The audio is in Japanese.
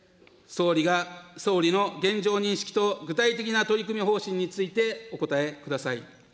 総理の現状認識と具体的な取り組み方針についてお答えください。